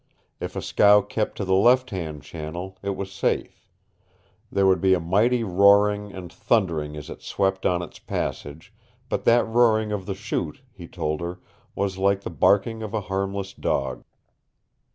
If a scow kept to the left hand channel it was safe. There would be a mighty roaring and thundering as it swept on its passage, but that roaring of the Chute, he told her, was like the barking of a harmless dog.